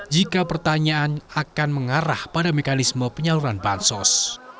jika pertanyaan akan mengarah pada mekanisme penyaluran bansos